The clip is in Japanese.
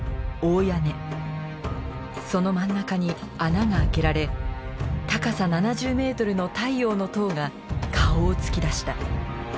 その真ん中に穴が開けられ高さ７０メートルの太陽の塔が顔を突き出した。